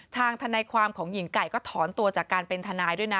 ทนายความของหญิงไก่ก็ถอนตัวจากการเป็นทนายด้วยนะ